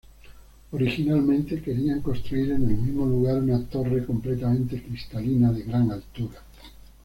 Originalmente querían construir en el mismo lugar una torre completamente cristalina de gran altura.